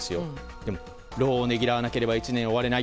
でも労をねぎらわなければ１年を終わらせられない。